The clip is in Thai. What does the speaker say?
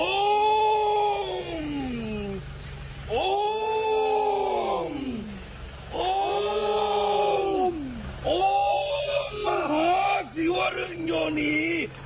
โอ้มโอ้มโอ้มโอ้มมหาศิวรึงโยนี